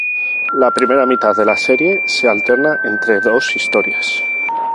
La primera mitad de la serie se alternan entre dos historias.